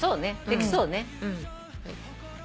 できそうね。